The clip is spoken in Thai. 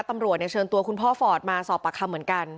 ตำรวจเชิญตัวคุณพ่อฟอร์ดมาสอบปากคำเหมือนกัน